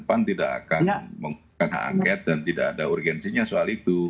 pan tidak akan mengangket dan tidak ada urgensinya soal itu